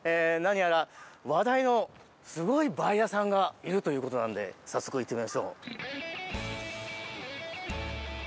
何やら話題のすごいバイヤーさんがいるということなので早速、行ってみましょう。